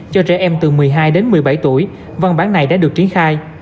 cho trẻ em từ một mươi hai đến một mươi bảy tuổi văn bản này đã được triển khai